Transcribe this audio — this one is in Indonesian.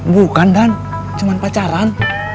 bukan dan cuman pacaran